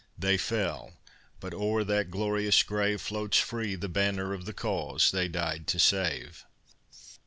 They fell; but o'er that glorious grave Floats free the banner of the cause they died to save.